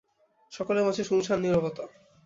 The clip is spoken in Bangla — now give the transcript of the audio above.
সকলের মাঝে শুনশান নীরবতা।